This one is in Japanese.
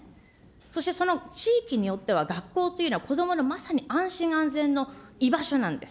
そしてその地域によっては、学校というのは子どものまさに安心安全の居場所なんです。